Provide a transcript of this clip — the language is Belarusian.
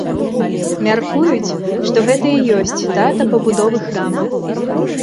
Мяркуюць, што гэта і ёсць дата пабудовы храма.